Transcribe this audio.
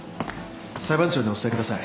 裁判長にお伝えください。